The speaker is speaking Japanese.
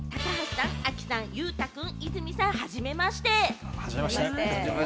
高橋さん、亜希ちゃん、裕太君、和泉さん、はじめまして！